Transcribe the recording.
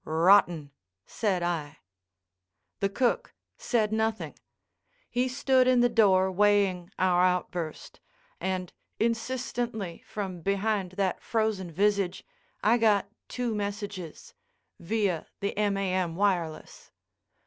"Rotten," said I. The cook said nothing. He stood in the door weighing our outburst; and insistently from behind that frozen visage I got two messages (via the M. A. M wireless).